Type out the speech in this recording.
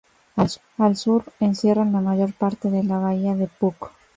Al sur, encierra la mayor parte de la bahía de Puck.